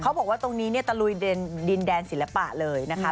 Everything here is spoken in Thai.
เขาบอกว่าตรงนี้เนี่ยตะลุยดินแดนศิลปะเลยนะคะ